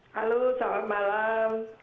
halo selamat malam